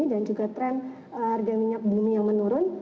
dan juga tren harga minyak dunia yang menurun